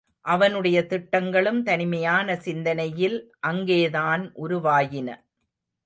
அவனுடைய திட்டங்களும் தனிமையான சிந்தனையில் அங்கேதான் உருவாயின.